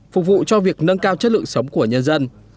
phục vụ cho việc nâng cao chất lượng sống của nhân dân